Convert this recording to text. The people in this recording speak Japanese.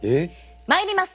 まいります。